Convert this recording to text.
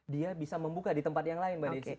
dia bisa membuka di tempat yang lain